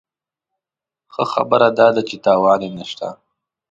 ښه خبره داده چې تاوان یې نه شته.